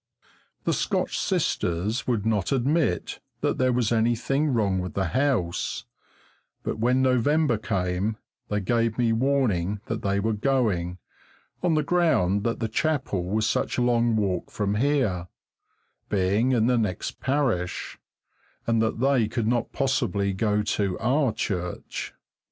The Scotch sisters would not admit that there was anything wrong about the house, but when November came they gave me warning that they were going, on the ground that the chapel was such a long walk from here, being in the next parish, and that they could not possibly go to our church.